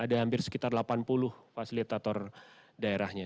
ada hampir sekitar delapan puluh fasilitator daerahnya